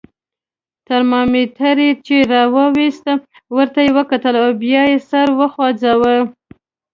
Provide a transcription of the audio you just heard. ترمامیتر یې چې را وایست، ورته یې وکتل او بیا یې سر وخوځاوه.